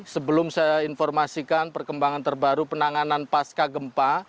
sebelum saya informasikan perkembangan terbaru penanganan pasca gempa